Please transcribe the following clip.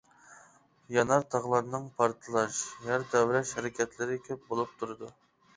يانار تاغلارنىڭ پارتلاش، يەر تەۋرەش ھەرىكەتلىرى كۆپ بولۇپ تۇرىدۇ.